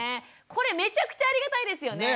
これめちゃくちゃありがたいですよね。